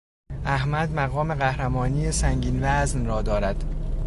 احمد مقام قهرمانی سنگین وزن را دارد.